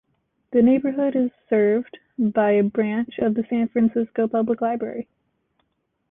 The neighborhood is served by a branch of the San Francisco Public Library.